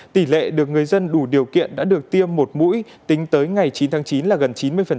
tỷ lệ được người dân đủ điều kiện đã được tiêm một mũi tính tới ngày chín tháng chín là gần chín mươi